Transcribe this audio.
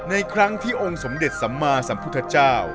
ในครั้งที่องค์สมเด็จสัมมาสัมพุทธเจ้า